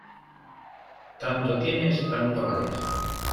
Tanto tienes, tanto vales.